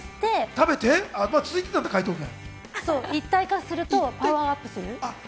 食べて一体化するとパワーアップする。